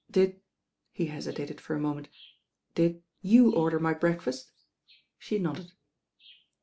"Did " he hesitated for a moment, "did you order my breakfast?" She nodded.